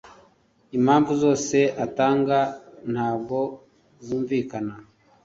impamvu zose atanga ntago zumvikana